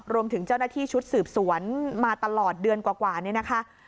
รวมถึงเจ้าหน้าที่ชุดสืบสวนมาตลอดเดือนกว่านี้นะคะ